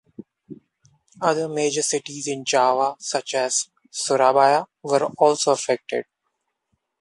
Other major cities in Java, such as Surabaya, were also affected.